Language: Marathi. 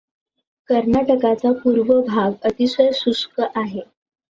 कर्नाटकाचा पूर्व भाग अतिशय शुष्क आहे.